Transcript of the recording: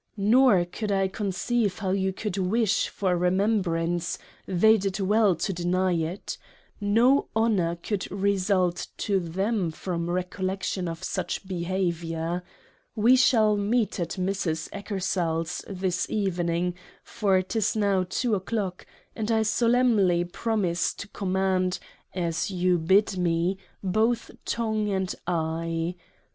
Nor could I conceive how you could wish for a Remembrance they did well to deny it no Honour could result to them from Recollection of such behaviour. We shall meet at Mrs. Eckersall's this Evening — for 'tis now Two o'clock, and 1 solemnly promise to command — as you bid me — both Tongue and Eye.